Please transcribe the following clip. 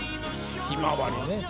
「ひまわり」ね。